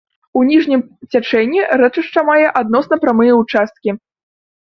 У ніжнім цячэнні рэчышча мае адносна прамыя ўчасткі.